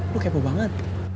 lo kepo banget